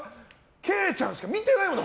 惠ちゃんしか見てないもん